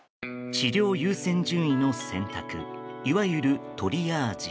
治療優先順位の選択いわゆるトリアージ。